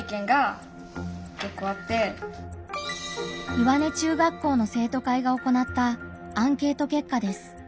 岩根中学校の生徒会が行ったアンケート結果です。